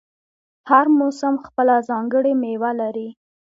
هر موسم خپله ځانګړې میوه لري.